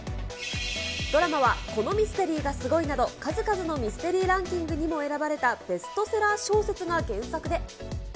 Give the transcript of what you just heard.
ドラマは、このミステリーがすごい！など、数々のミステリーランキングにも選ばれたベストセラー小説が原作で。